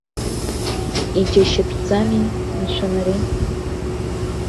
Иџьашьатәӡами, мшәан, ари?